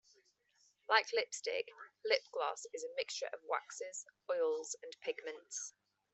Like lipstick, lip gloss is a mixture of waxes, oils, and pigments.